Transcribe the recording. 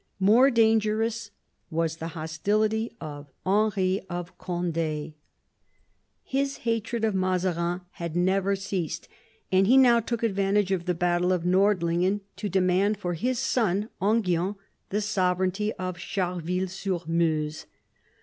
More dangerous was the hostility of Henry of Cond^. His hatred of Mazarin had never ceased, and he now took advantage of the battle of Nordlingen to demand for his son Enghien the sovereignty of Charleville sur Meuse.